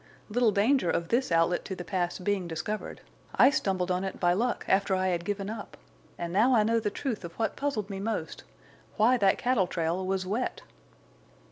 Little danger of this outlet to the pass being discovered. I stumbled on it by luck, after I had given up. And now I know the truth of what puzzled me most—why that cattle trail was wet!"